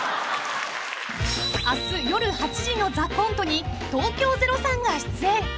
［明日夜８時の『ＴＨＥＣＯＮＴＥ』に東京０３が出演］